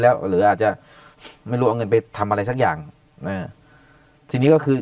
แล้วหรืออาจจะไม่รู้เอาเงินไปทำอะไรสักอย่างเออทีนี้ก็คือ